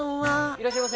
いらっしゃいませ。